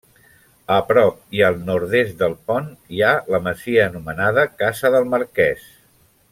A prop i al nord-est del pont hi ha la masia anomenada Casa del Marquès.